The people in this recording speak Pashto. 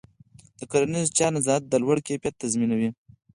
د کرنيزو چارو نظارت د لوړ کیفیت تضمینوي.